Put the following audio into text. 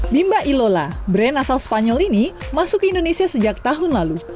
bimba ilola brand asal spanyol ini masuk ke indonesia sejak tahun lalu